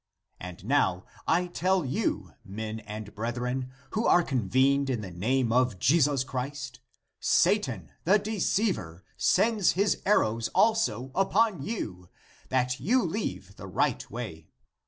And now, I tell you, men (and) brethren, who are convened in the name of Jesus Christ, Satan the deceiver sends his arrows also upon you, that you leave the (right) way.